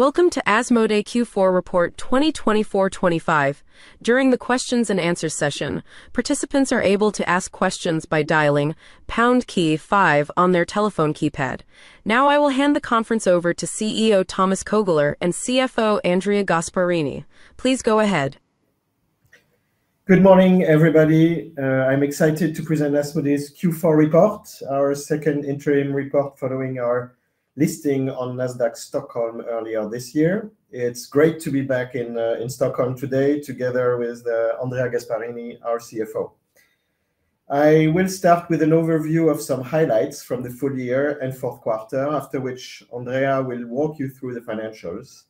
Welcome to Asmodee Q4 Report 2024-2025. During the Q&A session, participants are able to ask questions by dialing #Key5 on their telephone keypad. Now, I will hand the conference over to CEO Thomas Kœgler and CFO Andrea Gasparini. Please go ahead. Good morning, everybody. I'm excited to present Asmodee's Q4 report, our second interim report following our listing on Nasdaq Stockholm earlier this year. It's great to be back in Stockholm today together with Andrea Gasparini, our CFO. I will start with an overview of some highlights from the full year and fourth quarter, after which Andrea will walk you through the financials.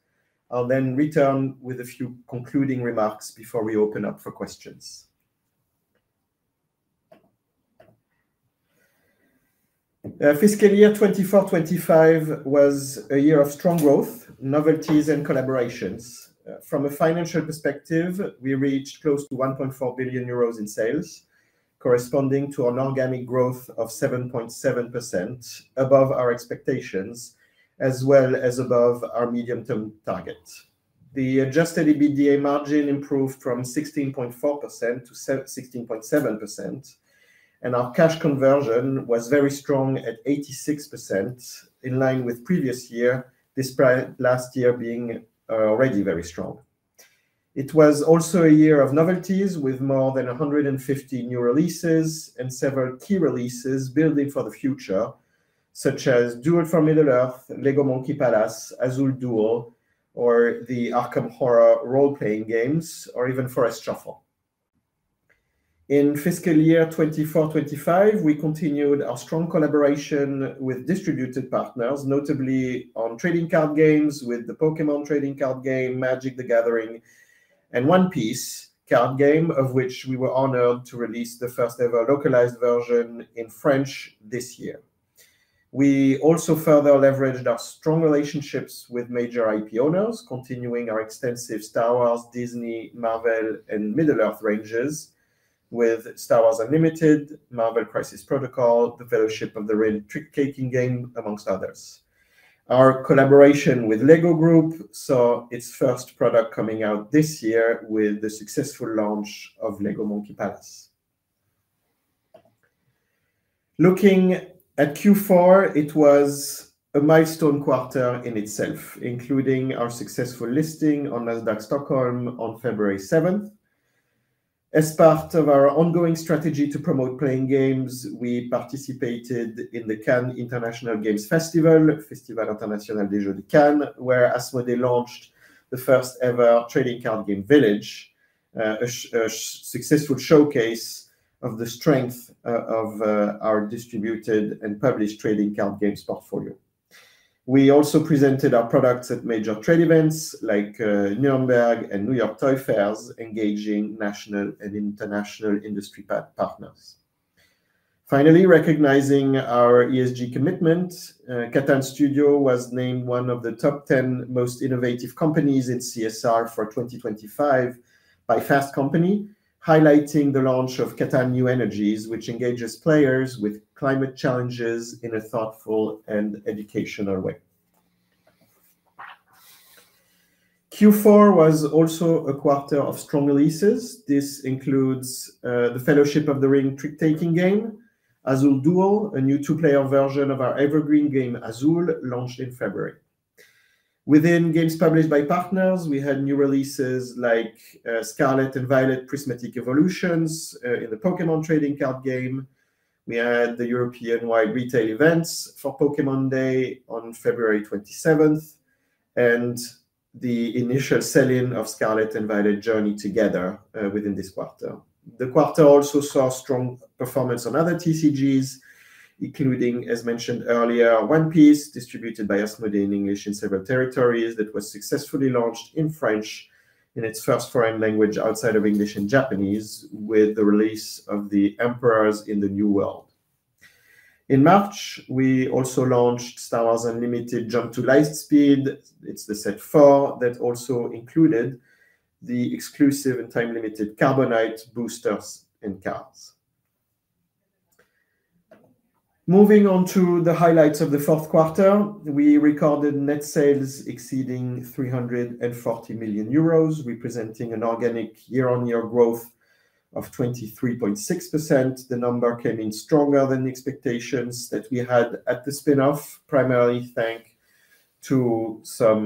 I'll then return with a few concluding remarks before we open up for questions. Fiscal year 2024-2025 was a year of strong growth, novelties, and collaborations. From a financial perspective, we reached close to 1.4 billion euros in sales, corresponding to an organic growth of 7.7%, above our expectations, as well as above our medium-term target. The adjusted EBITDA margin improved from 16.4% to 16.7%, and our cash conversion was very strong at 86%, in line with previous year, despite last year being already very strong. It was also a year of novelties, with more than 150 new releases and several key releases building for the future, such as Lord of the Rings: Duel for Middle-earth, LEGO Monkey Palace, Azul Duel, or the Arkham Horror role-playing games, or even Forest Truffle. In fiscal year 2024-2025, we continued our strong collaboration with distributed partners, notably on trading card games with the Pokémon Trading Card Game, Magic: The Gathering, and One Piece Card Game, of which we were honored to release the first-ever localized version in French this year. We also further leveraged our strong relationships with major IP owners, continuing our extensive Star Wars, Disney, Marvel, and Middle-earth ranges with Star Wars Unlimited, Marvel Crisis Protocol, The Fellowship of the Ring Trick-taking Game, amongst others. Our collaboration with LEGO Group saw its first product coming out this year with the successful launch of LEGO Monkey Palace. Looking at Q4, it was a milestone quarter in itself, including our successful listing on Nasdaq Stockholm on February 7. As part of our ongoing strategy to promote playing games, we participated in the Cannes International Games Festival, Festival International des Jeux de Cannes, where Asmodee launched the first-ever trading card game Village, a successful showcase of the strength of our distributed and published trading card games portfolio. We also presented our products at major trade events like Nuremberg and New York Toy Fairs, engaging national and international industry partners. Finally, recognizing our ESG commitment, Catan Studio was named one of the top 10 most innovative companies in CSR for 2025 by Fast Company, highlighting the launch of Catan New Energies, which engages players with climate challenges in a thoughtful and educational way. Q4 was also a quarter of strong releases. This includes The Fellowship of the Ring, Trick-taking Game, Azul Duel, a new two-player version of our evergreen game Azul, launched in February. Within games published by partners, we had new releases like Scarlet and Violet Prismatic Evolutions in the Pokémon Trading Card Game. We had the European-wide retail events for Pokémon Day on February 27 and the initial sell-in of Scarlet and Violet Journey Together within this quarter. The quarter also saw strong performance on other TCGs, including, as mentioned earlier, One Piece, distributed by Asmodee in English in several territories, that was successfully launched in French in its first foreign language outside of English and Japanese with the release of The Emperors in the New World. In March, we also launched Star Wars Unlimited Jump to Light Speed. It's the set four that also included the exclusive and time-limited Carbonite boosters and cards. Moving on to the highlights of the fourth quarter, we recorded net sales exceeding 340 million euros, representing an organic year-on-year growth of 23.6%. The number came in stronger than expectations that we had at the spinoff, primarily thanks to some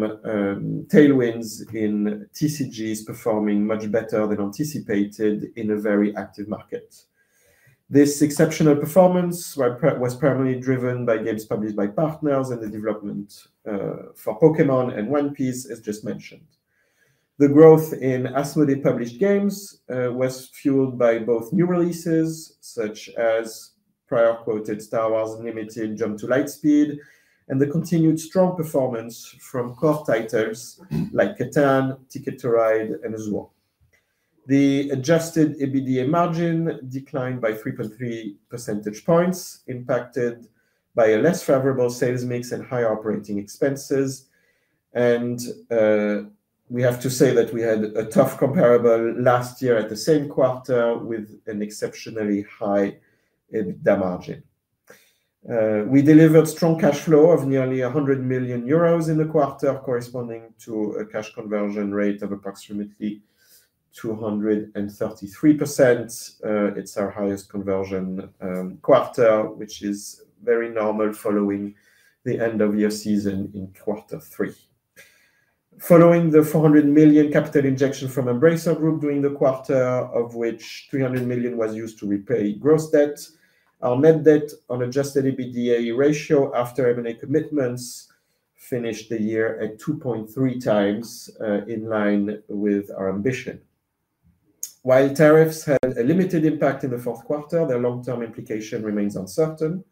tailwinds in TCGs performing much better than anticipated in a very active market. This exceptional performance was primarily driven by games published by partners and the development for Pokémon and One Piece, as just mentioned. The growth in Asmodee published games was fueled by both new releases, such as prior-quoted Star Wars Unlimited Jump to Light Speed, and the continued strong performance from core titles like Catan, Ticket to Ride, and Azul. The adjusted EBITDA margin declined by 3.3 percentage points, impacted by a less favorable sales mix and higher operating expenses. We have to say that we had a tough comparable last year at the same quarter with an exceptionally high EBITDA margin. We delivered strong cash flow of nearly 100 million euros in the quarter, corresponding to a cash conversion rate of approximately 233%. It is our highest conversion quarter, which is very normal following the end-of-year season in quarter three. Following the 400 million capital injection from Embracer Group during the quarter, of which 300 million was used to repay gross debt, our net debt on adjusted EBITDA ratio after M&A commitments finished the year at 2.3 times, in line with our ambition. While tariffs had a limited impact in the fourth quarter, their long-term implication remains uncertain.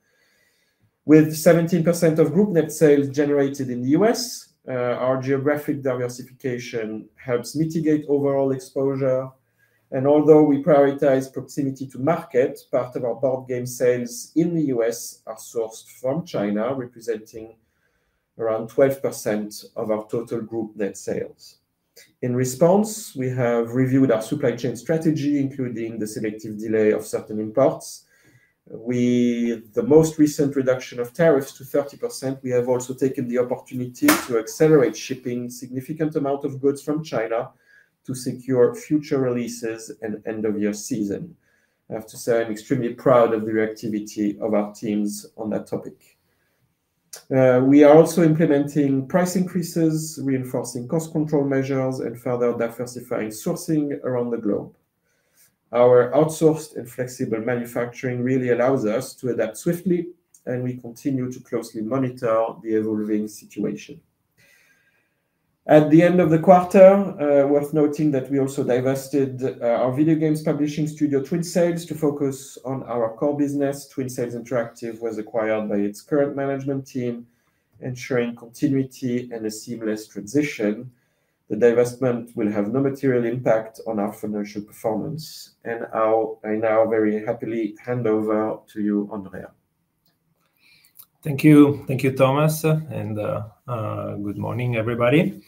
With 17% of group net sales generated in the U.S., our geographic diversification helps mitigate overall exposure. Although we prioritize proximity to market, part of our board game sales in the U.S. are sourced from China, representing around 12% of our total group net sales. In response, we have reviewed our supply chain strategy, including the selective delay of certain imports. With the most recent reduction of tariffs to 30%, we have also taken the opportunity to accelerate shipping a significant amount of goods from China to secure future releases and end-of-year season. I have to say I'm extremely proud of the reactivity of our teams on that topic. We are also implementing price increases, reinforcing cost control measures, and further diversifying sourcing around the globe. Our outsourced and flexible manufacturing really allows us to adapt swiftly, and we continue to closely monitor the evolving situation. At the end of the quarter, worth noting that we also divested our video games publishing studio Twin Sails to focus on our core business. Twin Sails Interactive was acquired by its current management team. Ensuring continuity and a seamless transition, the divestment will have no material impact on our financial performance. I now very happily hand over to you, Andrea. Thank you. Thank you, Thomas. Good morning, everybody.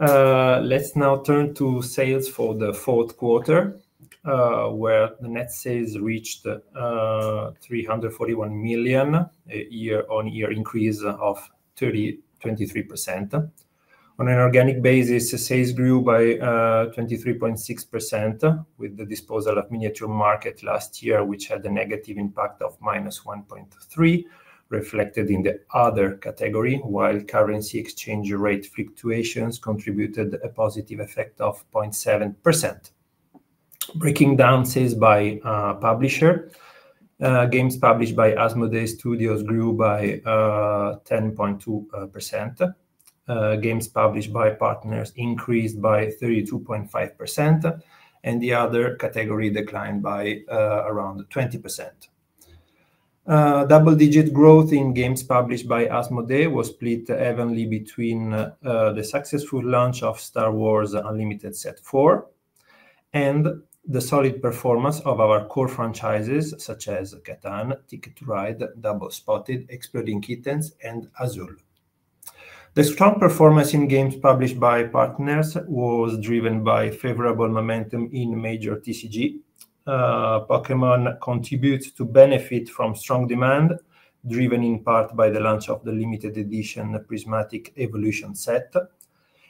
Let's now turn to sales for the fourth quarter, where the net sales reached 341 million, a year-on-year increase of 23%. On an organic basis, sales grew by 23.6% with the disposal of Miniature Market last year, which had a negative impact of -1.3%, reflected in the other category, while currency exchange rate fluctuations contributed a positive effect of 0.7%. Breaking down sales by publisher, games published by Asmodee Studios grew by 10.2%. Games published by partners increased by 32.5%, and the other category declined by around 20%. Double-digit growth in games published by Asmodee was split heavily between the successful launch of Star Wars Unlimited set four and the solid performance of our core franchises, such as Catan, Ticket to Ride, Double Spotted, Exploding Kittens, and Azul. The strong performance in games published by partners was driven by favorable momentum in major TCG. Pokémon contributes to benefit from strong demand, driven in part by the launch of the limited edition Prismatic Evolution set.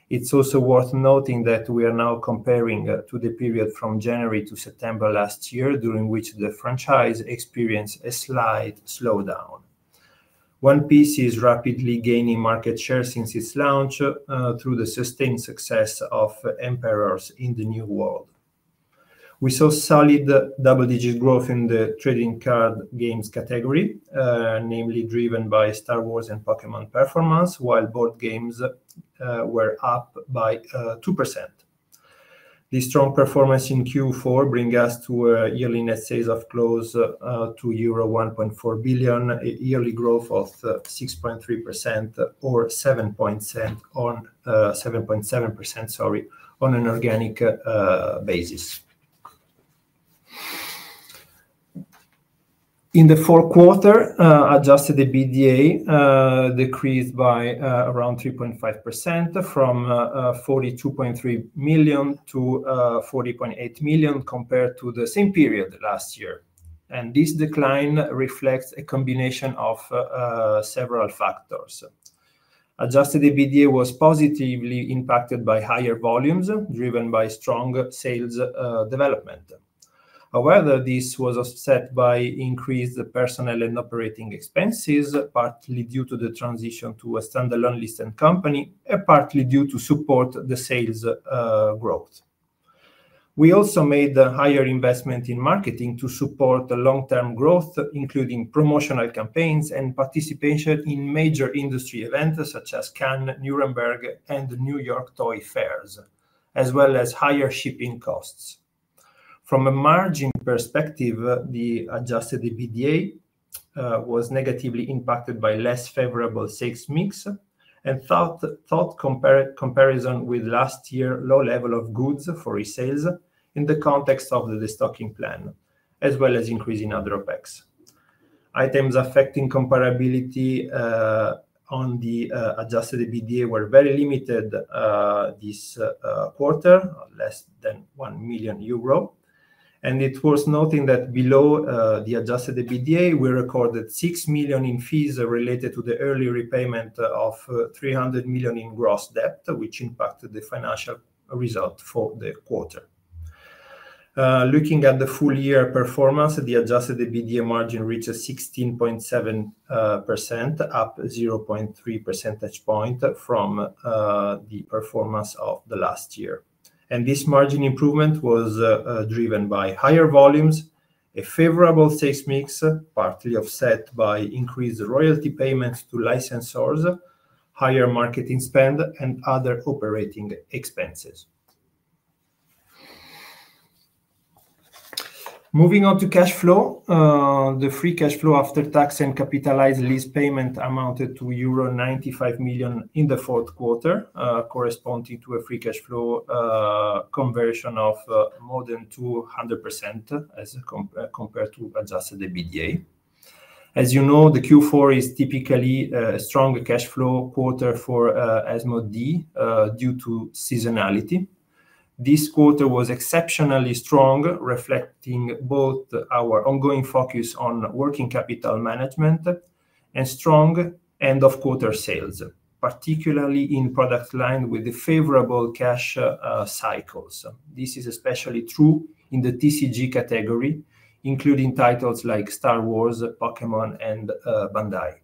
It's also worth noting that we are now comparing to the period from January to September last year, during which the franchise experienced a slight slowdown. One Piece is rapidly gaining market share since its launch through the sustained success of Emperors in the New World. We saw solid double-digit growth in the trading card games category, namely driven by Star Wars and Pokémon performance, while board games were up by 2%. This strong performance in Q4 brings us to a yearly net sales of close to euro 1.4 billion, a yearly growth of 6.3% or 7.7% on an organic basis. In the fourth quarter, adjusted EBITDA decreased by around 3.5%, from 42.3 million to 40.8 million compared to the same period last year. This decline reflects a combination of several factors. Adjusted EBITDA was positively impacted by higher volumes driven by strong sales development. However, this was offset by increased personnel and operating expenses, partly due to the transition to a standalone listed company, and partly due to supporting the sales growth. We also made a higher investment in marketing to support long-term growth, including promotional campaigns and participation in major industry events such as Cannes, Nuremberg, and New York Toy Fairs, as well as higher shipping costs. From a margin perspective, the adjusted EBITDA was negatively impacted by less favorable sales mix and tough comparison with last year's low level of goods for resales in the context of the destocking plan, as well as increasing other opex. Items affecting comparability on the adjusted EBITDA were very limited this quarter, less than 1 million euro. It is worth noting that below the adjusted EBITDA, we recorded 6 million in fees related to the early repayment of 300 million in gross debt, which impacted the financial result for the quarter. Looking at the full-year performance, the adjusted EBITDA margin reached 16.7%, up 0.3 percentage points from the performance of the last year. This margin improvement was driven by higher volumes, a favorable sales mix, partly offset by increased royalty payments to licensors, higher marketing spend, and other operating expenses. Moving on to cash flow, the free cash flow after tax and capitalized lease payment amounted to euro 95 million in the fourth quarter, corresponding to a free cash flow conversion of more than 200% as compared to adjusted EBITDA. As you know, the Q4 is typically a strong cash flow quarter for Asmodee due to seasonality. This quarter was exceptionally strong, reflecting both our ongoing focus on working capital management and strong end-of-quarter sales, particularly in products lined with favorable cash cycles. This is especially true in the TCG category, including titles like Star Wars, Pokémon, and Bandai.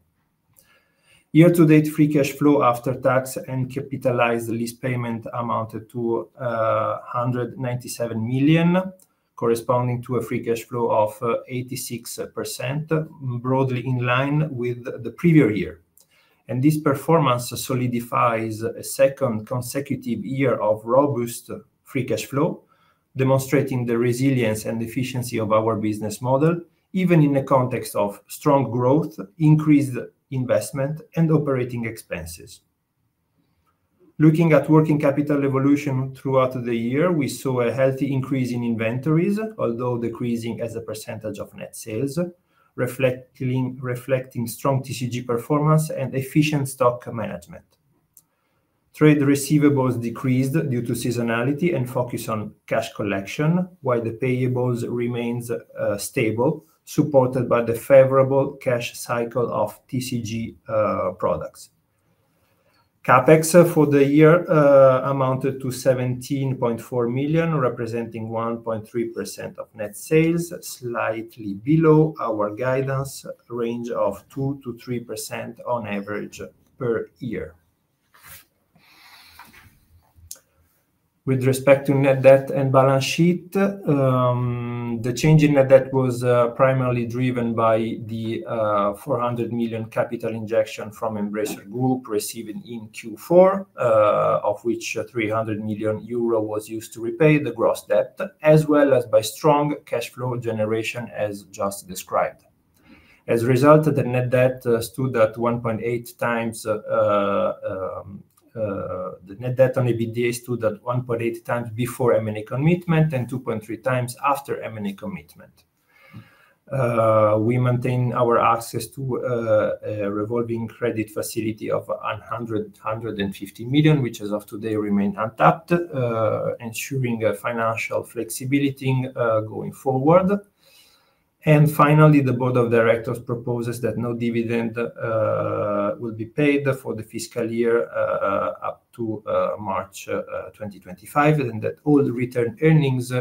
Year-to-date free cash flow after tax and capitalized lease payment amounted to 197 million, corresponding to a free cash flow of 86%, broadly in line with the previous year. This performance solidifies a second consecutive year of robust free cash flow, demonstrating the resilience and efficiency of our business model, even in the context of strong growth, increased investment, and operating expenses. Looking at working capital evolution throughout the year, we saw a healthy increase in inventories, although decreasing as a percentage of net sales, reflecting strong TCG performance and efficient stock management. Trade receivables decreased due to seasonality and focus on cash collection, while the payables remained stable, supported by the favorable cash cycle of TCG products. Capex for the year amounted to 17.4 million, representing 1.3% of net sales, slightly below our guidance range of 2%-3% on average per year. With respect to net debt and balance sheet, the change in net debt was primarily driven by the 400 million capital injection from Embracer Group received in Q4, of which 300 million euro was used to repay the gross debt, as well as by strong cash flow generation, as just described. As a result, the net debt stood at 1.8 times, the net debt on EBITDA stood at 1.8 times before M&A commitment and 2.3 times after M&A commitment. We maintain our access to a revolving credit facility of 150 million, which as of today remains untapped, ensuring financial flexibility going forward. Finally, the Board of Directors proposes that no dividend will be paid for the fiscal year up to March 2025, and that all returned earnings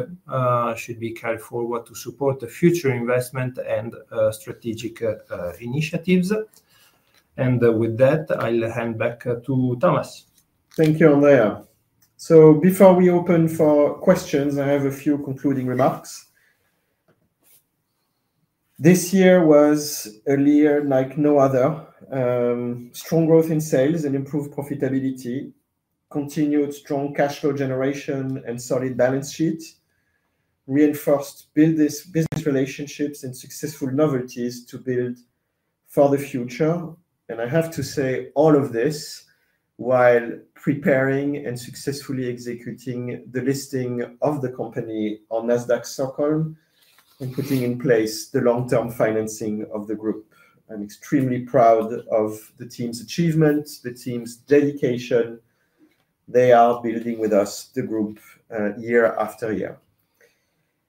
should be carried forward to support future investment and strategic initiatives. With that, I'll hand back to Thomas. Thank you, Andrea. Before we open for questions, I have a few concluding remarks. This year was a year like no other. Strong growth in sales and improved profitability, continued strong cash flow generation and solid balance sheet, reinforced business relationships and successful novelties to build for the future. I have to say all of this while preparing and successfully executing the listing of the company on Nasdaq Stockholm and putting in place the long-term financing of the group. I'm extremely proud of the team's achievements, the team's dedication. They are building with us the group year after year.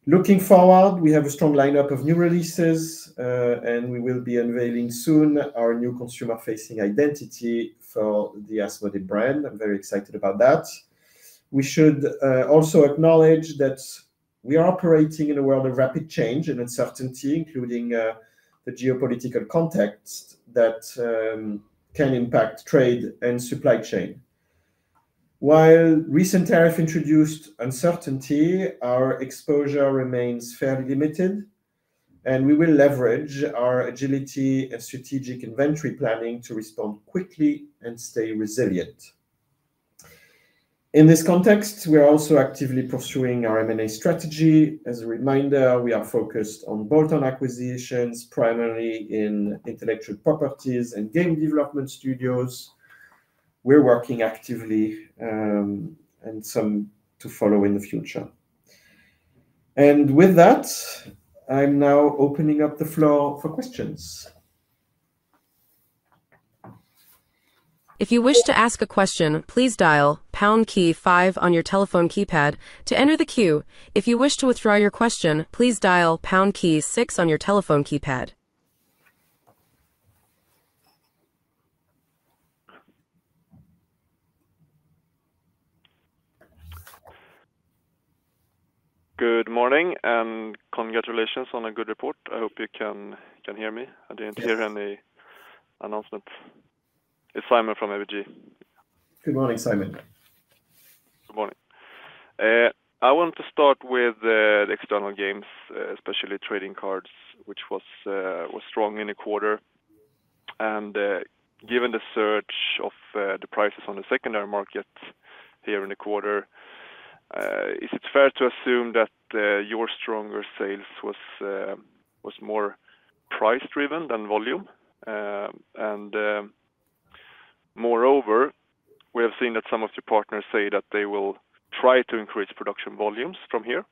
Looking forward, we have a strong lineup of new releases, and we will be unveiling soon our new consumer-facing identity for the Asmodee brand. I'm very excited about that. We should also acknowledge that we are operating in a world of rapid change and uncertainty, including the geopolitical context that can impact trade and supply chain. While recent tariffs introduced uncertainty, our exposure remains fairly limited, and we will leverage our agility and strategic inventory planning to respond quickly and stay resilient. In this context, we are also actively pursuing our M&A strategy. As a reminder, we are focused on bolt-on acquisitions, primarily in intellectual properties and game development studios. We're working actively and some to follow in the future. With that, I'm now opening up the floor for questions. If you wish to ask a question, please dial #5 on your telephone keypad to enter the queue. If you wish to withdraw your question, please dial #6 on your telephone keypad. Good morning and congratulations on a good report. I hope you can hear me. I did not hear any announcement. It is Simon from ABG. Good morning, Simon. Good morning. I want to start with the external games, especially trading cards, which was strong in the quarter. Given the surge of the prices on the secondary market here in the quarter, is it fair to assume that your stronger sales was more price-driven than volume? Moreover, we have seen that some of your partners say that they will try to increase production volumes from here.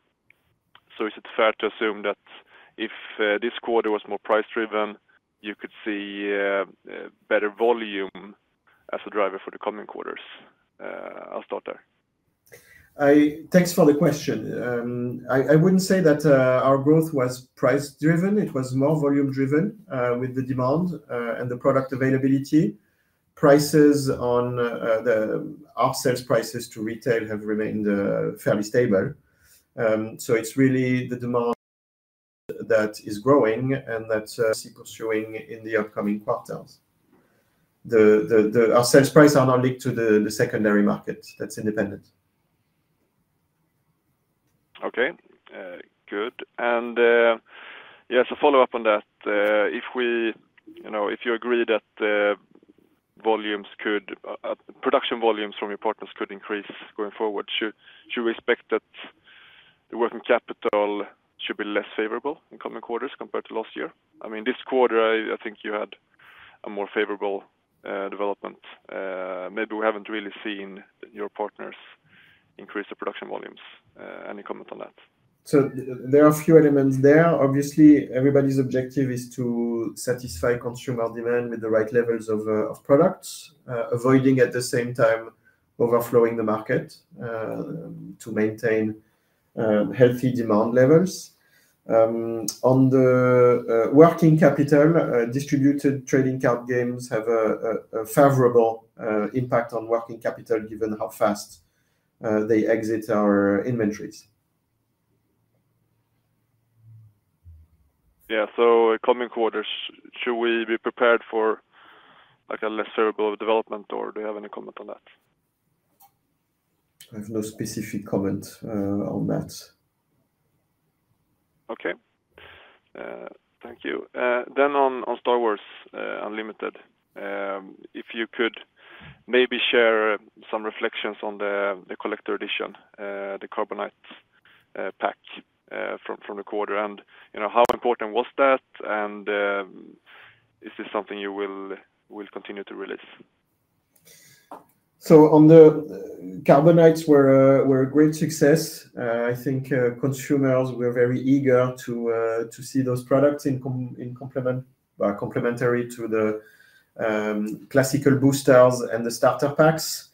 Is it fair to assume that if this quarter was more price-driven, you could see better volume as a driver for the coming quarters? I'll start there. Thanks for the question. I wouldn't say that our growth was price-driven. It was more volume-driven with the demand and the product availability. Our sales prices to retail have remained fairly stable. It is really the demand that is growing and that we'll see pursuing in the upcoming quarters. Our sales prices are not linked to the secondary market. That is independent. Okay. Good. Yes, a follow-up on that. If you agree that production volumes from your partners could increase going forward, should we expect that the working capital should be less favorable in coming quarters compared to last year? I mean, this quarter, I think you had a more favorable development. Maybe we have not really seen your partners increase the production volumes. Any comment on that? There are a few elements there. Obviously, everybody's objective is to satisfy consumer demand with the right levels of products, avoiding at the same time overflowing the market to maintain healthy demand levels. On the working capital, distributed trading card games have a favorable impact on working capital given how fast they exit our inventories. Yeah. Coming quarters, should we be prepared for a less favorable development, or do you have any comment on that? I have no specific comment on that. Okay. Thank you. On Star Wars Unlimited, if you could maybe share some reflections on the collector edition, the carbonite pack from the quarter, and how important was that, and is this something you will continue to release? On the carbonites, they were a great success. I think consumers were very eager to see those products in complementary to the classical boosters and the starter packs.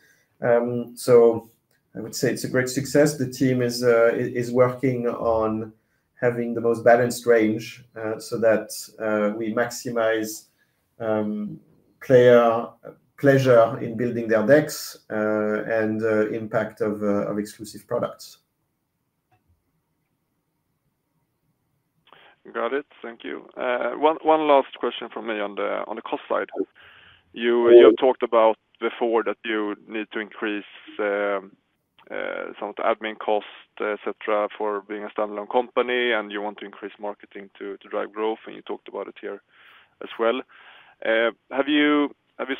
I would say it is a great success. The team is working on having the most balanced range so that we maximize player pleasure in building their decks and the impact of exclusive products. Got it. Thank you. One last question for me on the cost side. You have talked about before that you need to increase some of the admin costs, etc., for being a standalone company, and you want to increase marketing to drive growth, and you talked about it here as well. Have you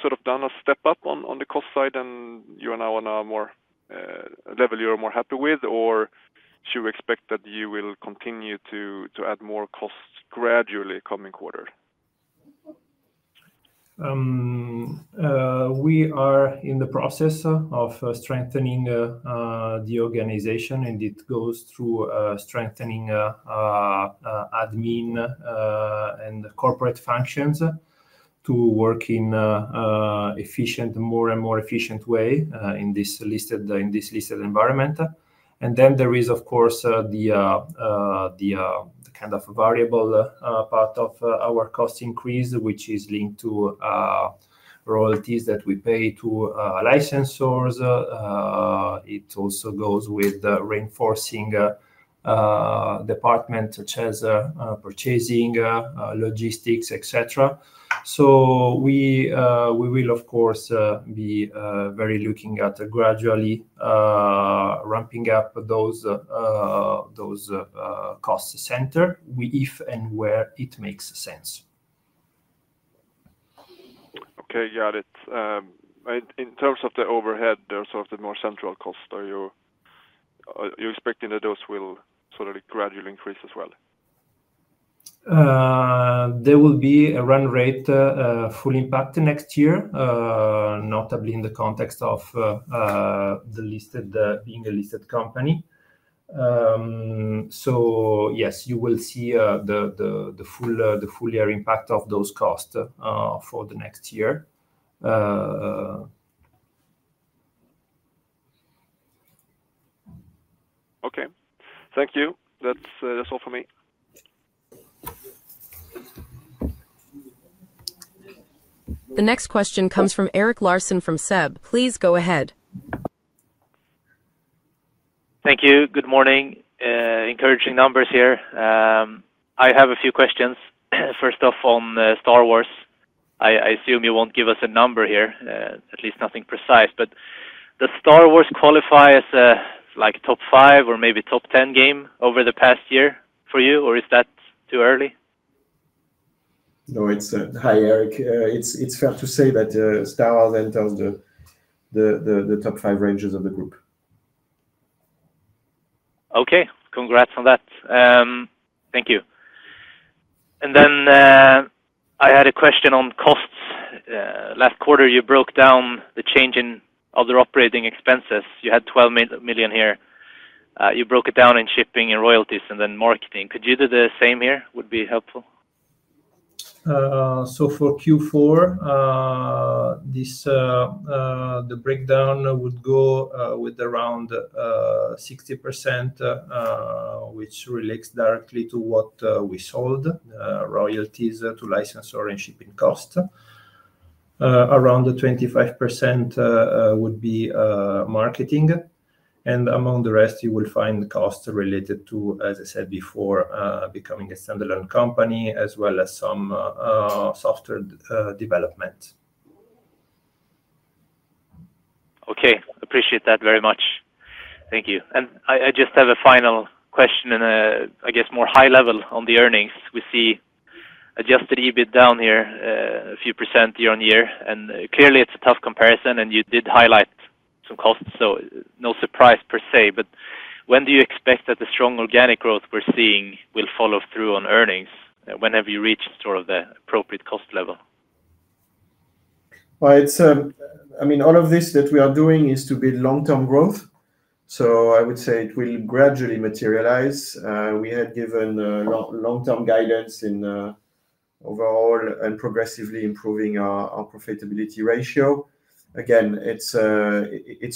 sort of done a step up on the cost side, and you are now on a more level you're more happy with, or should we expect that you will continue to add more costs gradually coming quarter? We are in the process of strengthening the organization, and it goes through strengthening admin and corporate functions to work in a more and more efficient way in this listed environment. There is, of course, the kind of variable part of our cost increase, which is linked to royalties that we pay to licensors. It also goes with the reinforcing department, such as purchasing, logistics, etc. We will, of course, be very looking at gradually ramping up those cost center if and where it makes sense. Okay. Got it. In terms of the overhead, there are sort of the more central costs. Are you expecting that those will sort of gradually increase as well? There will be a run rate full impact next year, notably in the context of being a listed company. Yes, you will see the full year impact of those costs for the next year. Okay. Thank you. That's all for me. The next question comes from Eric Larsen from SEB. Please go ahead. Thank you. Good morning. Encouraging numbers here. I have a few questions. First off, on Star Wars, I assume you will not give us a number here, at least nothing precise. But does Star Wars qualify as a top 5 or maybe top 10 game over the past year for you, or is that too early? No, it's not. Hi, Eric. It's fair to say that Star Wars enters the top five ranges of the group. Okay. Congrats on that. Thank you. I had a question on costs. Last quarter, you broke down the change in other operating expenses. You had 12 million here. You broke it down in shipping and royalties and then marketing. Could you do the same here? It would be helpful. For Q4, the breakdown would go with around 60%, which relates directly to what we sold, royalties to licensor and shipping costs. Around 25% would be marketing. Among the rest, you will find costs related to, as I said before, becoming a standalone company as well as some software development. Okay. Appreciate that very much. Thank you. I just have a final question and, I guess, more high level on the earnings. We see adjusted EBITDA down here a few % year on year. Clearly, it is a tough comparison, and you did highlight some costs, so no surprise per se. When do you expect that the strong organic growth we are seeing will follow through on earnings whenever you reach sort of the appropriate cost level? I mean, all of this that we are doing is to build long-term growth. I would say it will gradually materialize. We had given long-term guidance in overall and progressively improving our profitability ratio. Again, it is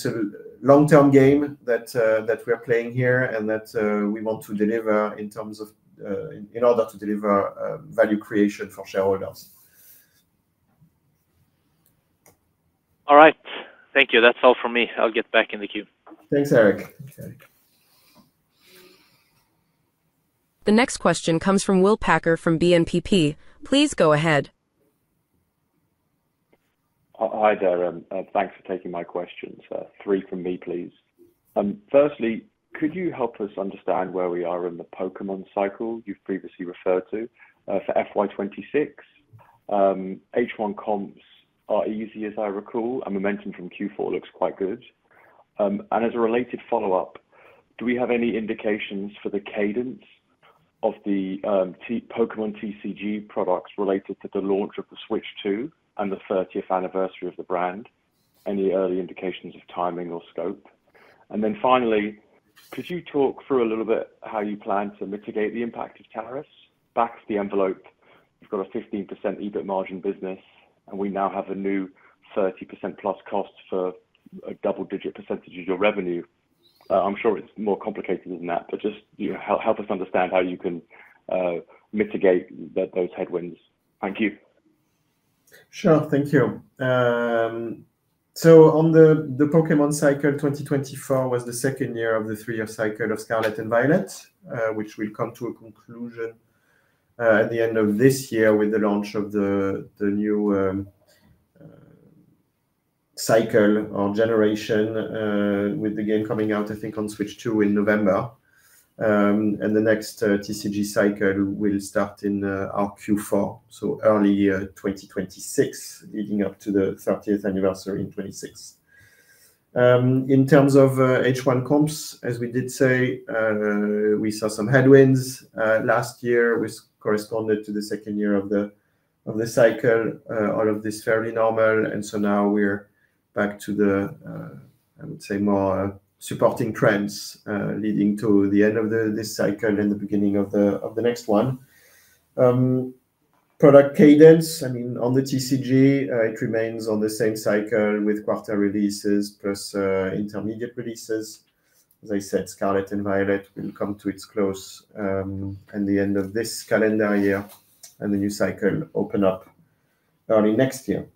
a long-term game that we are playing here and that we want to deliver in order to deliver value creation for shareholders. All right. Thank you. That's all for me. I'll get back in the queue. Thanks, Eric. The next question comes from Will Packer from BNP Paribas. Please go ahead. Hi there. Thanks for taking my questions. Three from me, please. Firstly, could you help us understand where we are in the Pokémon cycle you've previously referred to for FY2026? H1 comps are easy, as I recall, and momentum from Q4 looks quite good. As a related follow-up, do we have any indications for the cadence of the Pokémon TCG products related to the launch of the Switch 2 and the 30th anniversary of the brand? Any early indications of timing or scope? Finally, could you talk through a little bit how you plan to mitigate the impact of tariffs? Back of the envelope, you've got a 15% EBIT margin business, and we now have a new 30%+ cost for a double-digit percentage of your revenue. I'm sure it's more complicated than that, but just help us understand how you can mitigate those headwinds. Thank you. Sure. Thank you. On the Pokémon cycle, 2024 was the second year of the three-year cycle of Scarlet and Violet, which will come to a conclusion at the end of this year with the launch of the new cycle or generation with the game coming out, I think, on Switch 2 in November. The next TCG cycle will start in our Q4, so early 2026, leading up to the 30th anniversary in 2026. In terms of H1 comps, as we did say, we saw some headwinds last year, which corresponded to the second year of the cycle. All of this is fairly normal. Now we are back to the, I would say, more supporting trends leading to the end of this cycle and the beginning of the next one. Product cadence, I mean, on the TCG, it remains on the same cycle with quarter releases plus intermediate releases. As I said, Scarlet and Violet will come to its close at the end of this calendar year, and the new cycle will open up early next year.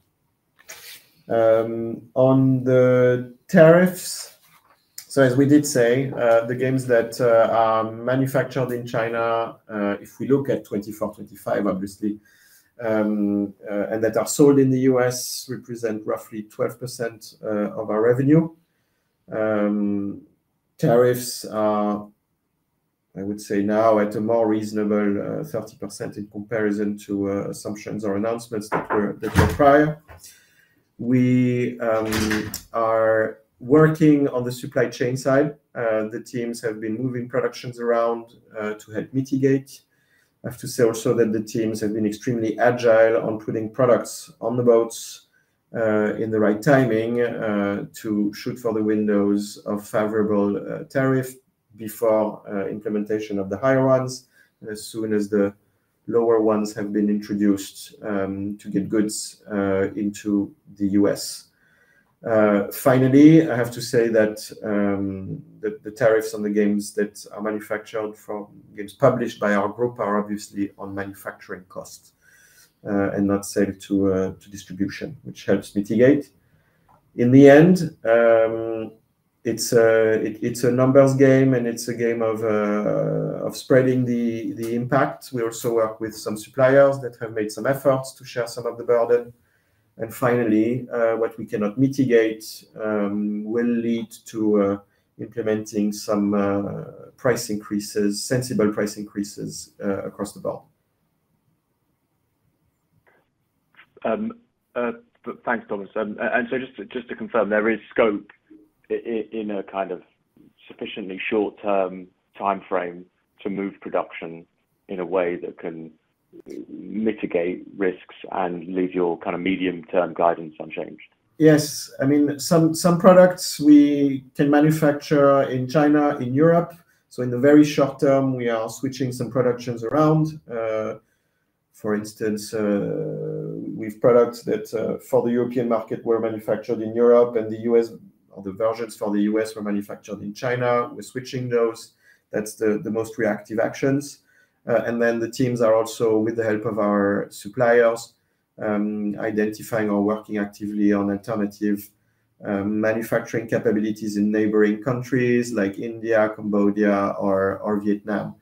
On the tariffs, as we did say, the games that are manufactured in China, if we look at 2024, 2025, obviously, and that are sold in the U.S. represent roughly 12% of our revenue. Tariffs are, I would say, now at a more reasonable 30% in comparison to assumptions or announcements that were prior. We are working on the supply chain side. The teams have been moving productions around to help mitigate. I have to say also that the teams have been extremely agile on putting products on the boats in the right timing to shoot for the windows of favorable tariff before implementation of the higher ones as soon as the lower ones have been introduced to get goods into the U.S. Finally, I have to say that the tariffs on the games that are manufactured for games published by our group are obviously on manufacturing costs and not sale to distribution, which helps mitigate. In the end, it's a numbers game, and it's a game of spreading the impact. We also work with some suppliers that have made some efforts to share some of the burden. Finally, what we cannot mitigate will lead to implementing some price increases, sensible price increases across the board. Thanks, Thomas. Just to confirm, there is scope in a kind of sufficiently short-term timeframe to move production in a way that can mitigate risks and leave your kind of medium-term guidance unchanged? Yes. I mean, some products we can manufacture in China, in Europe. In the very short term, we are switching some productions around. For instance, we have products that for the European market were manufactured in Europe, and the U.S. or the versions for the U.S. were manufactured in China. We are switching those. That is the most reactive actions. The teams are also, with the help of our suppliers, identifying or working actively on alternative manufacturing capabilities in neighboring countries like India, Cambodia, or Vietnam.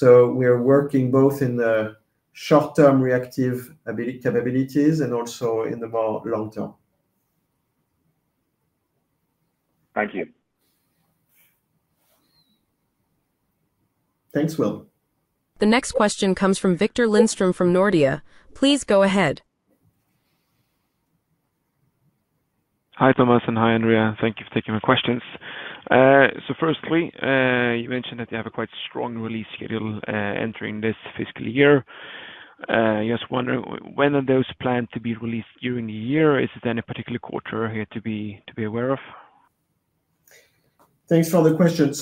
We are working both in the short-term reactive capabilities and also in the more long-term. Thank you. Thanks, Will. The next question comes from Victor Lindström from Nordea. Please go ahead. Hi, Thomas, and hi, Andrea. Thank you for taking my questions. Firstly, you mentioned that you have a quite strong release schedule entering this fiscal year. I just wonder when are those planned to be released during the year? Is there any particular quarter here to be aware of? Thanks for the question.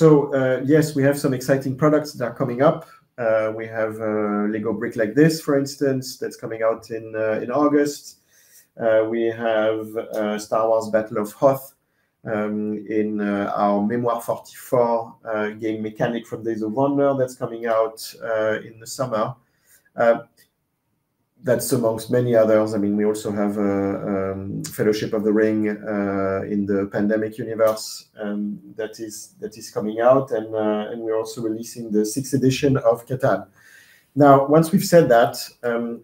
Yes, we have some exciting products that are coming up. We have LEGO Brick like this, for instance, that's coming out in August. We have Star Wars: Battle of Hoth in our Memoir '44 game mechanic from Days of Wonder that's coming out in the summer. That's amongst many others. I mean, we also have Fellowship of the Ring in the Pandemic universe that is coming out, and we're also releasing the sixth edition of Catan. Now, once we've said that,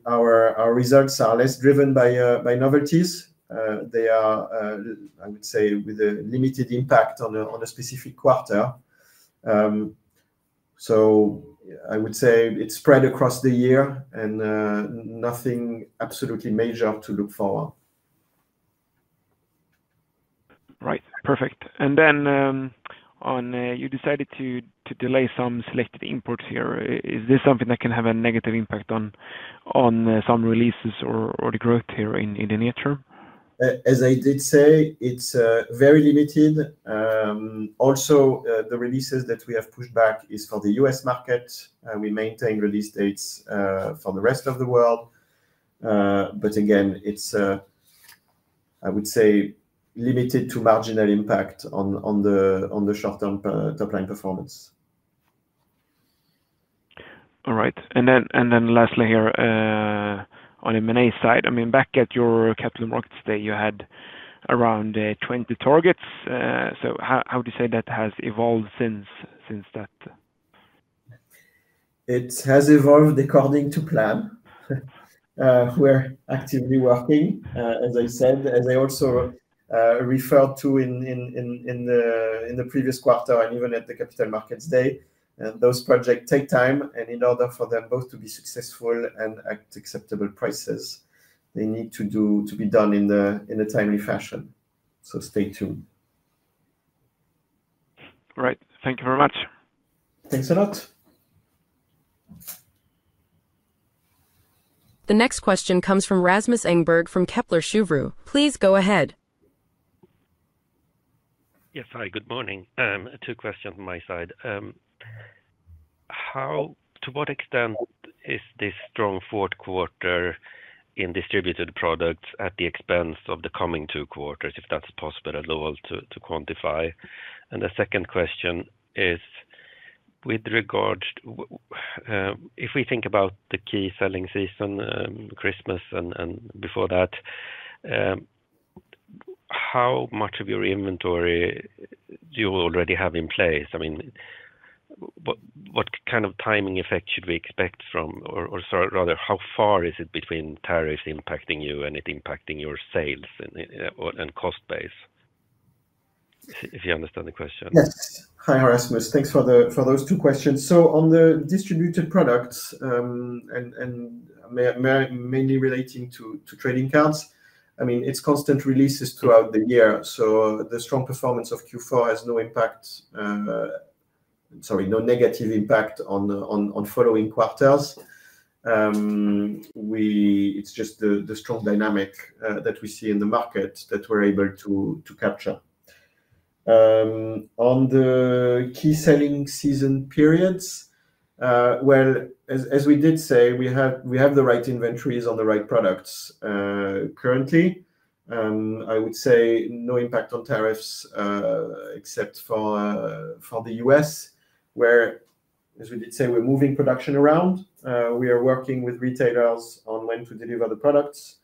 our results are less driven by novelties. They are, I would say, with a limited impact on a specific quarter. I would say it's spread across the year and nothing absolutely major to look forward. Right. Perfect. You decided to delay some selected imports here. Is this something that can have a negative impact on some releases or the growth here in the near term? As I did say, it's very limited. Also, the releases that we have pushed back are for the U.S. market. We maintain release dates for the rest of the world. Again, it's, I would say, limited to marginal impact on the short-term top-line performance. All right. Lastly here, on M&A side, I mean, back at your capital markets day, you had around 20 targets. How would you say that has evolved since that? It has evolved according to plan. We're actively working, as I said, as I also referred to in the previous quarter and even at the capital markets day. Those projects take time. In order for them both to be successful and at acceptable prices, they need to be done in a timely fashion. Stay tuned. All right. Thank you very much. Thanks a lot. The next question comes from Rasmus Engberg from Kepler Cheuvreux. Please go ahead. Yes. Hi, good morning. Two questions on my side. To what extent is this strong fourth quarter in distributed products at the expense of the coming two quarters, if that is possible at all to quantify? The second question is, with regard to if we think about the key selling season, Christmas and before that, how much of your inventory do you already have in place? I mean, what kind of timing effect should we expect from, or rather, how far is it between tariffs impacting you and it impacting your sales and cost base? If you understand the question. Yes. Hi, Rasmus. Thanks for those two questions. On the distributed products, and mainly relating to trading cards, I mean, it's constant releases throughout the year. The strong performance of Q4 has no impact, sorry, no negative impact on following quarters. It's just the strong dynamic that we see in the market that we're able to capture. On the key selling season periods, as we did say, we have the right inventories on the right products currently. I would say no impact on tariffs except for the US, where, as we did say, we're moving production around. We are working with retailers on when to deliver the products.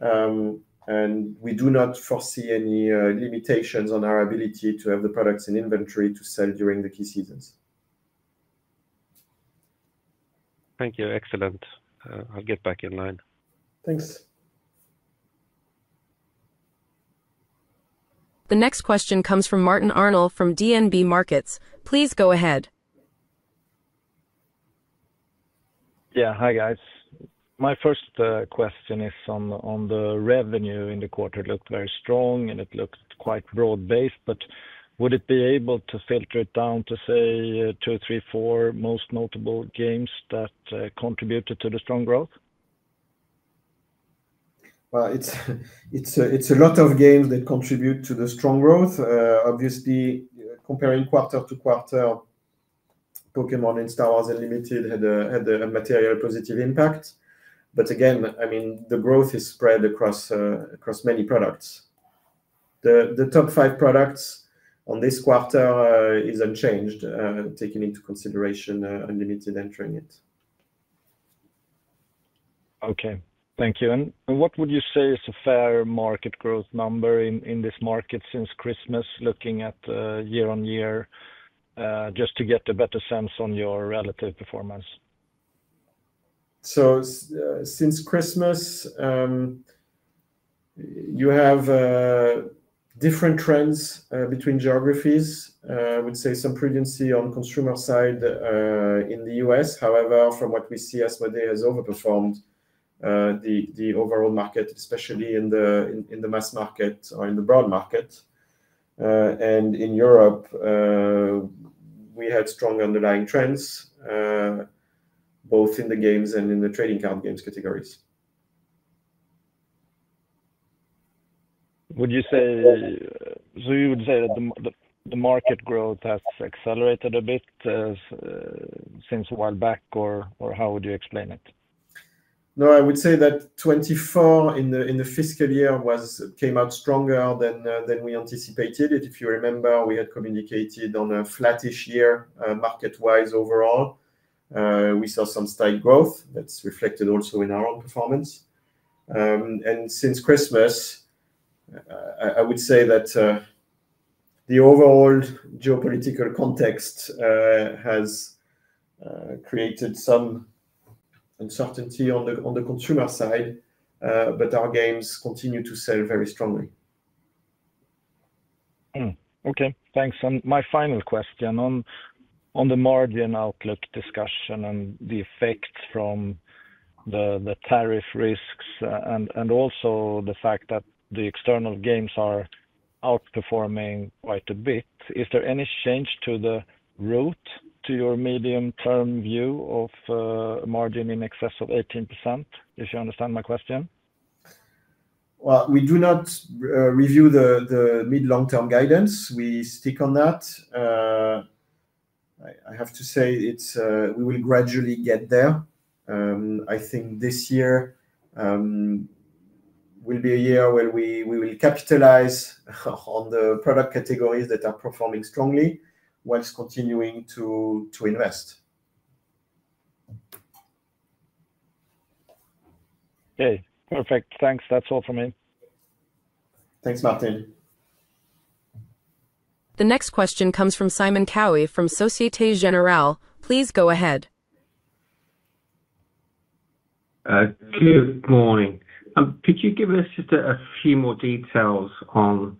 We do not foresee any limitations on our ability to have the products in inventory to sell during the key seasons. Thank you. Excellent. I'll get back in line. Thanks. The next question comes from Martin Arnold from DNB Markets. Please go ahead. Yeah. Hi, guys. My first question is on the revenue. In the quarter, it looked very strong, and it looked quite broad-based. Would you be able to filter it down to, say, two, three, four most notable games that contributed to the strong growth? It's a lot of games that contribute to the strong growth. Obviously, comparing quarter to quarter, Pokémon and Star Wars Unlimited had a material positive impact. Again, I mean, the growth is spread across many products. The top five products on this quarter are unchanged, taking into consideration Unlimited entering it. Okay. Thank you. What would you say is a fair market growth number in this market since Christmas, looking at year on year, just to get a better sense on your relative performance? Since Christmas, you have different trends between geographies. I would say some prudency on the consumer side in the US. However, from what we see, Asmodee has overperformed the overall market, especially in the mass market or in the broad market. In Europe, we had strong underlying trends, both in the games and in the trading card games categories. Would you say that the market growth has accelerated a bit since a while back, or how would you explain it? No, I would say that 2024 in the fiscal year came out stronger than we anticipated. If you remember, we had communicated on a flattish year market-wise overall. We saw some slight growth that is reflected also in our own performance. Since Christmas, I would say that the overall geopolitical context has created some uncertainty on the consumer side, but our games continue to sell very strongly. Okay. Thanks. My final question on the margin outlook discussion and the effects from the tariff risks and also the fact that the external games are outperforming quite a bit, is there any change to the route to your medium-term view of a margin in excess of 18%, if you understand my question? We do not review the mid-long-term guidance. We stick on that. I have to say we will gradually get there. I think this year will be a year where we will capitalize on the product categories that are performing strongly whilst continuing to invest. Okay. Perfect. Thanks. That's all from me. Thanks, Martin. The next question comes from Simon Kowe from Société Générale. Please go ahead. Good morning. Could you give us just a few more details on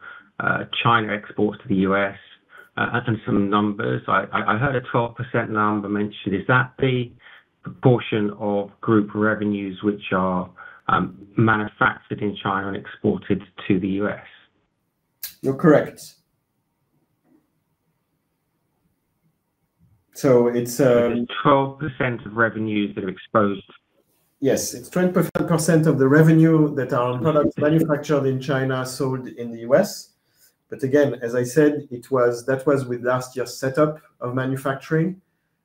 China exports to the U.S. and some numbers? I heard a 12% number mentioned. Is that the proportion of group revenues which are manufactured in China and exported to the U.S.? You're correct. It's. 12% of revenues that are exposed? Yes. It's 20% of the revenue that are products manufactured in China sold in the U.S. Again, as I said, that was with last year's setup of manufacturing.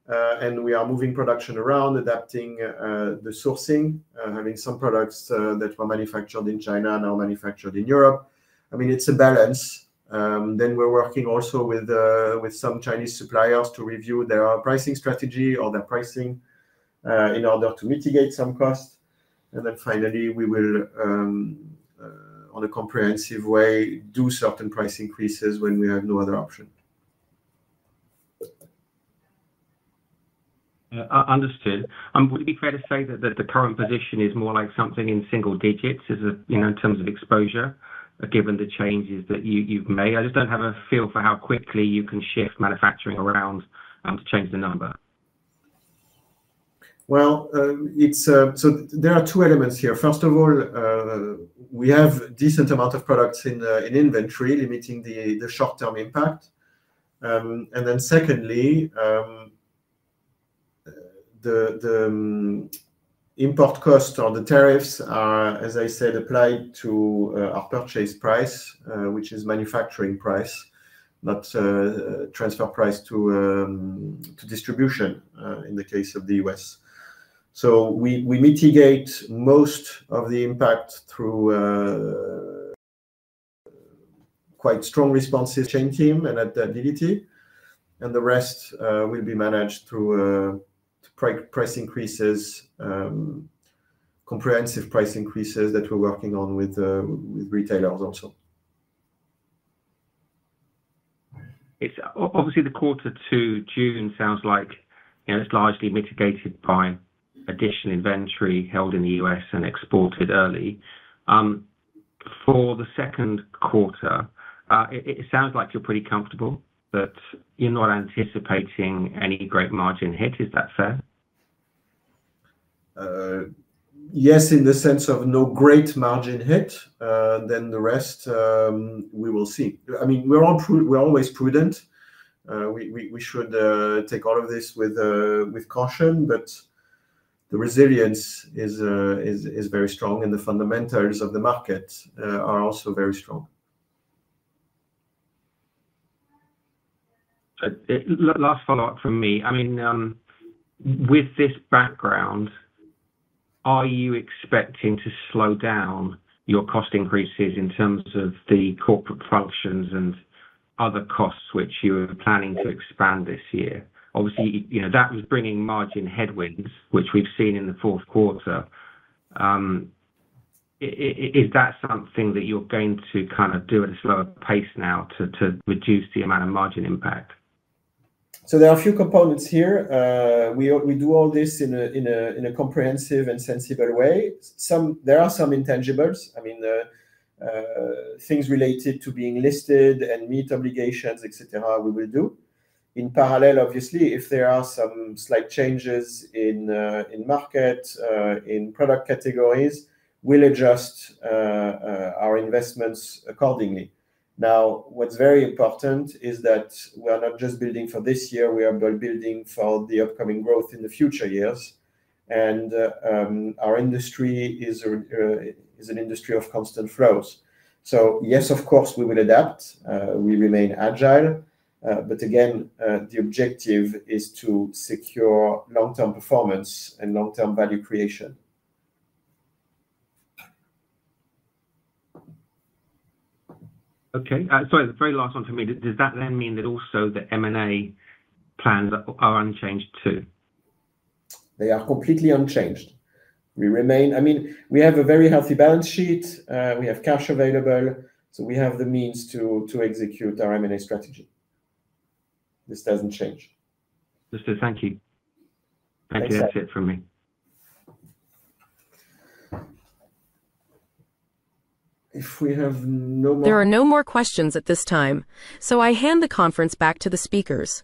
We are moving production around, adapting the sourcing, having some products that were manufactured in China and now manufactured in Europe. I mean, it's a balance. We are working also with some Chinese suppliers to review their pricing strategy or their pricing in order to mitigate some costs. Finally, we will, in a comprehensive way, do certain price increases when we have no other option. Understood. Would it be fair to say that the current position is more like something in single digits in terms of exposure, given the changes that you've made? I just don't have a feel for how quickly you can shift manufacturing around to change the number. There are two elements here. First of all, we have a decent amount of products in inventory limiting the short-term impact. Secondly, the import costs or the tariffs are, as I said, applied to our purchase price, which is manufacturing price, not transfer price to distribution in the case of the U.S. We mitigate most of the impact through quite strong responses. Chain team and at DNB. The rest will be managed through price increases, comprehensive price increases that we are working on with retailers also. Obviously, the quarter to June sounds like it's largely mitigated by additional inventory held in the US and exported early. For the second quarter, it sounds like you're pretty comfortable that you're not anticipating any great margin hit. Is that fair? Yes, in the sense of no great margin hit. The rest, we will see. I mean, we're always prudent. We should take all of this with caution, but the resilience is very strong, and the fundamentals of the market are also very strong. Last follow-up from me. I mean, with this background, are you expecting to slow down your cost increases in terms of the corporate functions and other costs which you are planning to expand this year? Obviously, that was bringing margin headwinds, which we've seen in the fourth quarter. Is that something that you're going to kind of do at a slower pace now to reduce the amount of margin impact? There are a few components here. We do all this in a comprehensive and sensible way. There are some intangibles. I mean, things related to being listed and meet obligations, etc., we will do. In parallel, obviously, if there are some slight changes in market, in product categories, we'll adjust our investments accordingly. Now, what's very important is that we're not just building for this year. We are building for the upcoming growth in the future years. Our industry is an industry of constant flows. Yes, of course, we will adapt. We remain agile. Again, the objective is to secure long-term performance and long-term value creation. Okay. Sorry, the very last one for me. Does that then mean that also the M&A plans are unchanged too? They are completely unchanged. I mean, we have a very healthy balance sheet. We have cash available. So we have the means to execute our M&A strategy. This doesn't change. Understood. Thank you. Thank you. That's it from me. If we have no more. There are no more questions at this time. I hand the conference back to the speakers.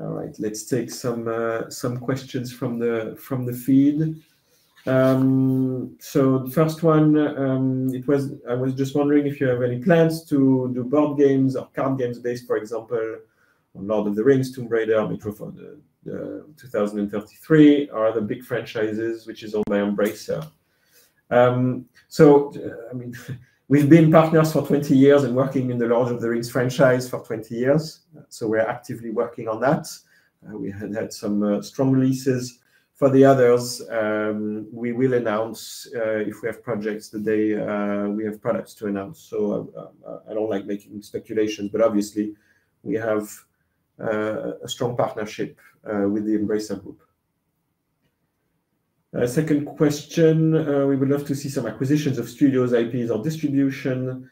All right. Let's take some questions from the feed. The first one, I was just wondering if you have any plans to do board games or card games based, for example, on Lord of the Rings, Tomb Raider, Metro 2033, or other big franchises which are owned by Embracer. I mean, we've been partners for 20 years and working in the Lord of the Rings franchise for 20 years. We're actively working on that. We had some strong releases. For the others, we will announce if we have projects that we have products to announce. I don't like making speculations, but obviously, we have a strong partnership with the Embracer Group. Second question, we would love to see some acquisitions of studios, IPs, or distribution.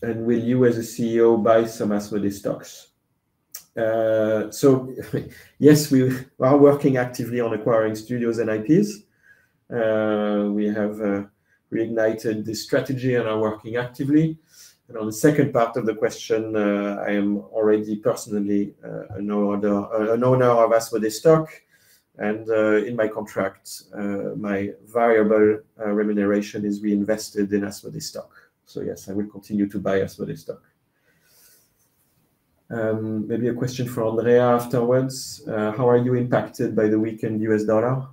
Will you, as a CEO, buy some Asmodee stocks? Yes, we are working actively on acquiring studios and IPs. We have reignited the strategy and are working actively. On the second part of the question, I am already personally an owner of Asmodee stock. In my contract, my variable remuneration is reinvested in Asmodee stock. Yes, I will continue to buy Asmodee stock. Maybe a question for Andrea afterwards. How are you impacted by the weakened U.S. dollar?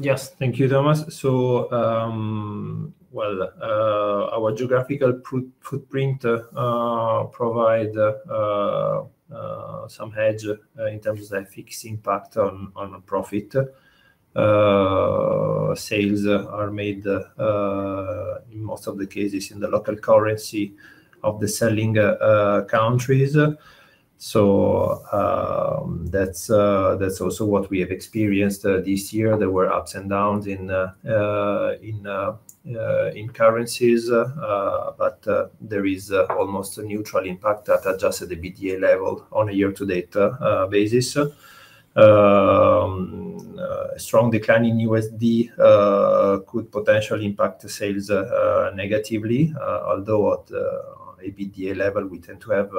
Yes. Thank you, Thomas. Our geographical footprint provides some hedge in terms of the fixed impact on profit. Sales are made, in most of the cases, in the local currency of the selling countries. That is also what we have experienced this year. There were ups and downs in currencies, but there is almost a neutral impact at adjusted EBITDA level on a year-to-date basis. A strong decline in USD could potentially impact sales negatively, although at EBITDA level, we tend to have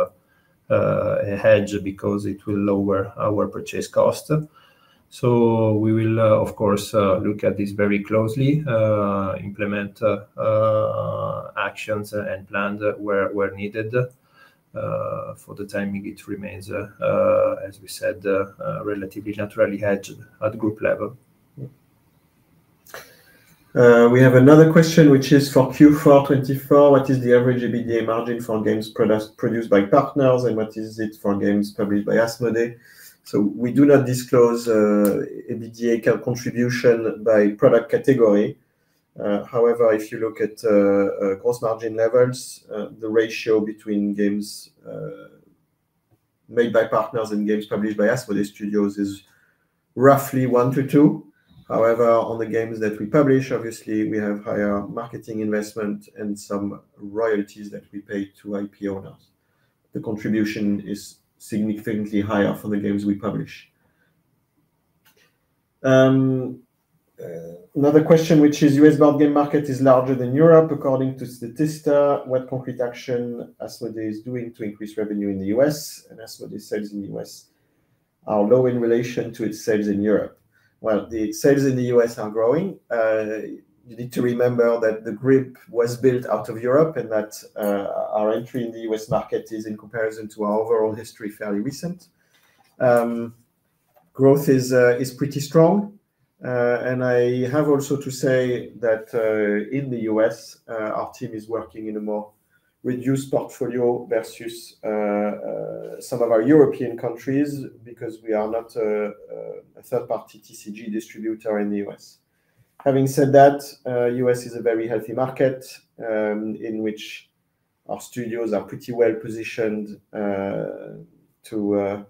a hedge because it will lower our purchase cost. We will, of course, look at this very closely, implement actions, and plan where needed. For the timing, it remains, as we said, relatively naturally hedged at group level. We have another question, which is for Q4 2024. What is the average BDA margin for games produced by partners, and what is it for games published by Asmodee? We do not disclose a BDA contribution by product category. However, if you look at gross margin levels, the ratio between games made by partners and games published by Asmodee studios is roughly one to two. However, on the games that we publish, obviously, we have higher marketing investment and some royalties that we pay to IP owners. The contribution is significantly higher for the games we publish. Another question, which is, the U.S. board game market is larger than Europe. According to Statista, what concrete action Asmodee is doing to increase revenue in the U.S. and Asmodee's sales in the U.S. are low in relation to its sales in Europe. The sales in the U.S. are growing. You need to remember that the group was built out of Europe and that our entry in the U.S. market is, in comparison to our overall history, fairly recent. Growth is pretty strong. I have also to say that in the U.S., our team is working in a more reduced portfolio versus some of our European countries because we are not a third-party TCG distributor in the U.S. Having said that, the U.S. is a very healthy market in which our studios are pretty well positioned to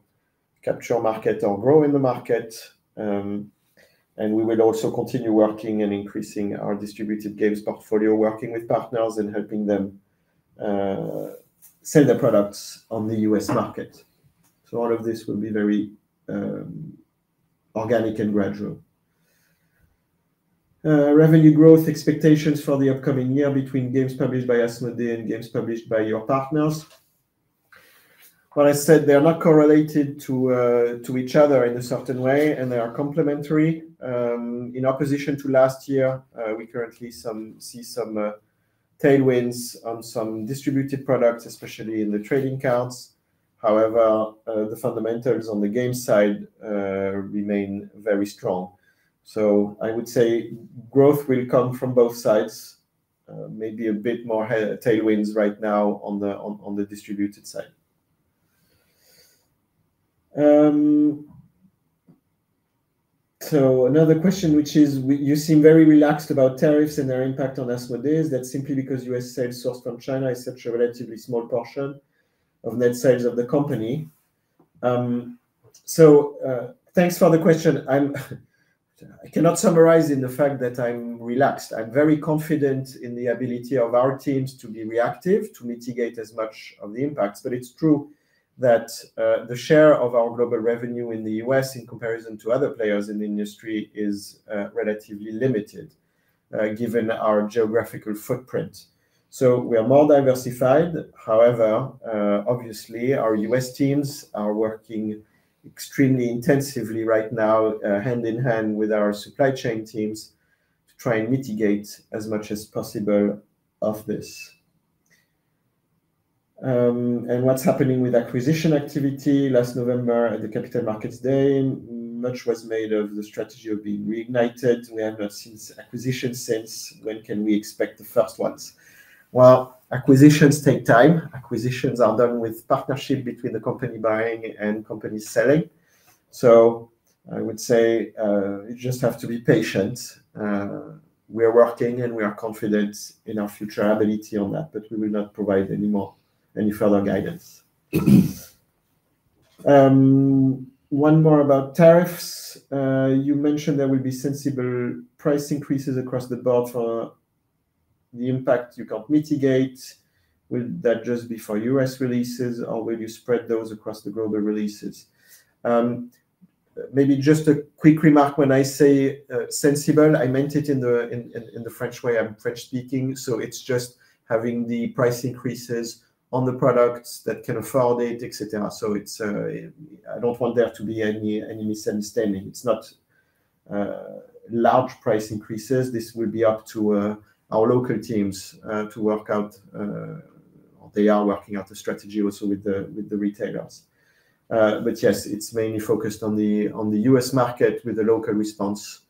capture market or grow in the market. We will also continue working and increasing our distributed games portfolio, working with partners and helping them sell their products on the U.S. market. All of this will be very organic and gradual. Revenue growth expectations for the upcoming year between games published by Asmodee and games published by your partners. I said they are not correlated to each other in a certain way, and they are complementary. In opposition to last year, we currently see some tailwinds on some distributed products, especially in the trading counts. However, the fundamentals on the game side remain very strong. I would say growth will come from both sides, maybe a bit more tailwinds right now on the distributed side. Another question, which is, you seem very relaxed about tariffs and their impact on Asmodee. Is that simply because U.S. sales sourced from China is such a relatively small portion of net sales of the company? Thanks for the question. I cannot summarize in the fact that I am relaxed. I am very confident in the ability of our teams to be reactive to mitigate as much of the impacts. It is true that the share of our global revenue in the U.S., in comparison to other players in the industry, is relatively limited given our geographical footprint. We are more diversified. Obviously, our U.S. teams are working extremely intensively right now, hand in hand with our supply chain teams, to try and mitigate as much as possible of this. What is happening with acquisition activity? Last November, at the Capital Markets Day, much was made of the strategy of being reignited. We have not seen acquisitions since. When can we expect the first ones? Acquisitions take time. Acquisitions are done with partnership between the company buying and companies selling. I would say you just have to be patient. We are working, and we are confident in our future ability on that, but we will not provide any further guidance. One more about tariffs. You mentioned there will be sensible price increases across the board for the impact you can't mitigate. Will that just be for U.S. releases, or will you spread those across the global releases? Maybe just a quick remark: when I say sensible, I meant it in the French way. I'm French-speaking. So it's just having the price increases on the products that can afford it, etc. I don't want there to be any misunderstanding. It's not large price increases. This will be up to our local teams to work out. They are working out a strategy also with the retailers. Yes, it's mainly focused on the US market with a local response.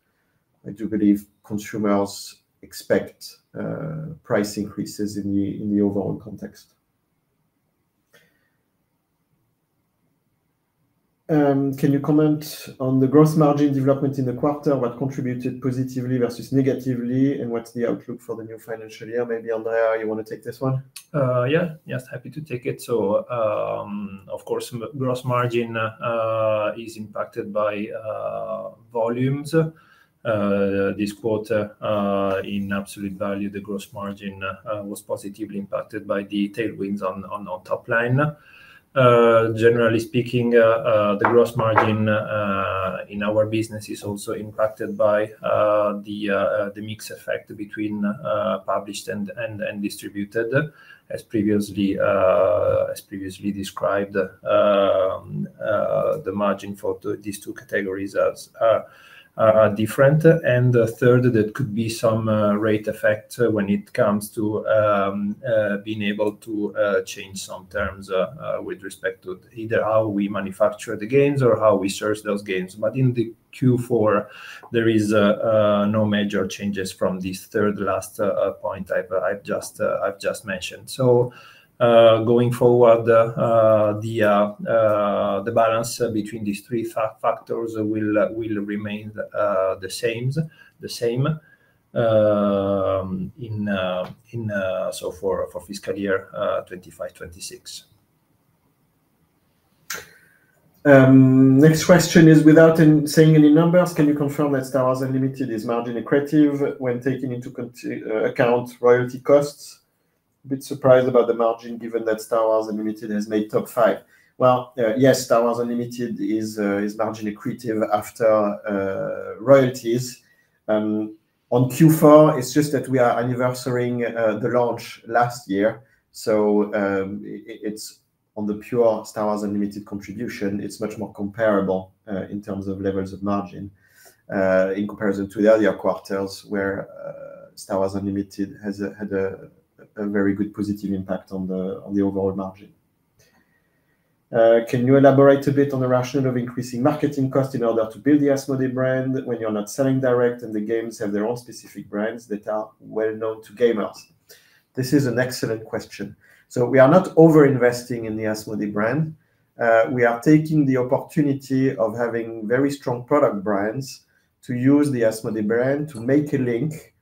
I do believe consumers expect price increases in the overall context. Can you comment on the gross margin development in the quarter? What contributed positively versus negatively, and what's the outlook for the new financial year? Maybe Andrea, you want to take this one? Yeah. Yes. Happy to take it. Of course, gross margin is impacted by volumes. This quarter, in absolute value, the gross margin was positively impacted by the tailwinds on top line. Generally speaking, the gross margin in our business is also impacted by the mixed effect between published and distributed. As previously described, the margin for these two categories are different. Third, there could be some rate effect when it comes to being able to change some terms with respect to either how we manufacture the games or how we source those games. In the Q4, there are no major changes from this third last point I have just mentioned. Going forward, the balance between these three factors will remain the same for fiscal year 2025-2026. Next question is, without saying any numbers, can you confirm that Star Wars Unlimited is margin equative when taking into account royalty costs? A bit surprised about the margin given that Star Wars Unlimited has made top five. Yes, Star Wars Unlimited is margin equative after royalties. On Q4, it is just that we are anniversarying the launch last year. On the pure Star Wars Unlimited contribution, it is much more comparable in terms of levels of margin in comparison to the earlier quarters where Star Wars Unlimited had a very good positive impact on the overall margin. Can you elaborate a bit on the rationale of increasing marketing costs in order to build the Asmodee brand when you are not selling direct and the games have their own specific brands that are well-known to gamers? This is an excellent question. We are not over-investing in the Asmodee brand. We are taking the opportunity of having very strong product brands to use the Asmodee brand to make a link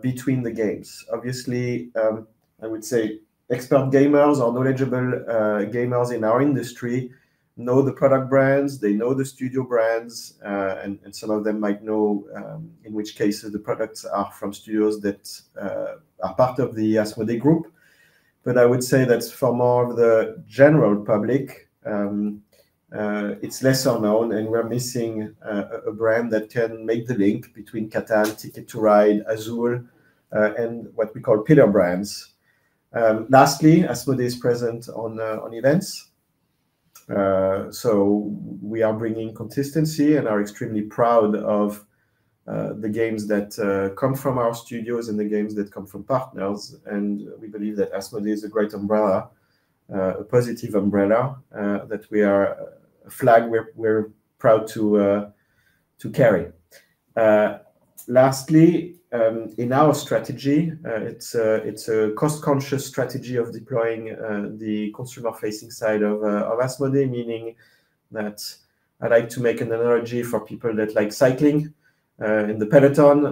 between the games. Obviously, I would say expert gamers or knowledgeable gamers in our industry know the product brands. They know the studio brands, and some of them might know, in which cases, the products are from studios that are part of the Asmodee Group. I would say that for more of the general public, it's lesser known, and we're missing a brand that can make the link between Catan, Ticket to Ride, Azul, and what we call pillar brands. Lastly, Asmodee is present on events. We are bringing consistency and are extremely proud of the games that come from our studios and the games that come from partners. We believe that Asmodee is a great umbrella, a positive umbrella that we are a flag we're proud to carry. Lastly, in our strategy, it is a cost-conscious strategy of deploying the consumer-facing side of Asmodee, meaning that I like to make an analogy for people that like cycling. In the peloton,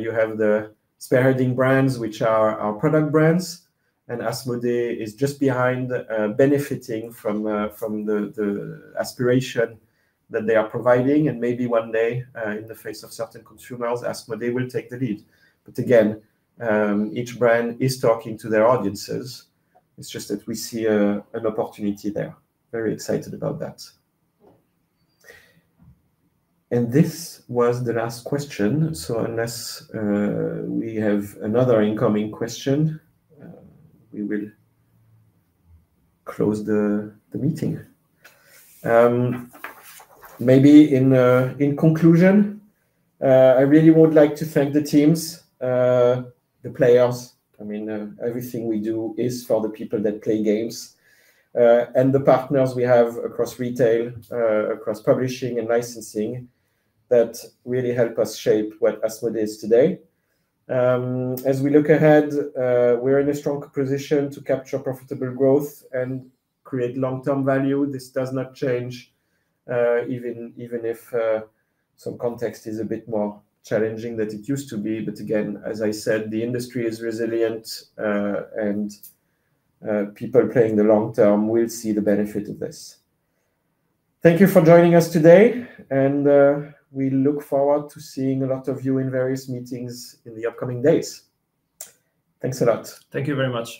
you have the spearheading brands, which are our product brands, and Asmodee is just behind, benefiting from the aspiration that they are providing. Maybe one day, in the face of certain consumers, Asmodee will take the lead. Again, each brand is talking to their audiences. It is just that we see an opportunity there. Very excited about that. This was the last question. Unless we have another incoming question, we will close the meeting. Maybe in conclusion, I really would like to thank the teams, the players. I mean, everything we do is for the people that play games and the partners we have across retail, across publishing and licensing that really help us shape what Asmodee is today. As we look ahead, we are in a strong position to capture profitable growth and create long-term value. This does not change, even if some context is a bit more challenging than it used to be. Again, as I said, the industry is resilient, and people playing the long term will see the benefit of this. Thank you for joining us today, and we look forward to seeing a lot of you in various meetings in the upcoming days. Thanks a lot. Thank you very much.